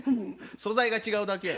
素材が違うだけや。